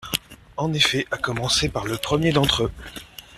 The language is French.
En effet, à commencer par le premier d’entre eux.